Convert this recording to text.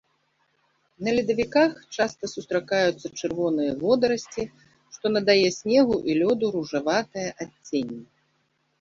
На ледавіках часта сустракаюцца чырвоныя водарасці, што надае снегу і лёду ружаватае адценне.